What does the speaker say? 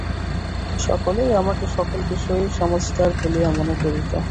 সকলেই আমাকে সকল বিষয়েই সমজদার বলিয়া মনে করিত।